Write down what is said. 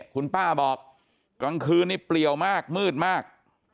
คุณป้าบอกกลางคืนนี้เปลี่ยวมากมืดมาก